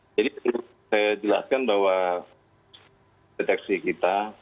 jadi saya jelaskan bahwa deteksi kita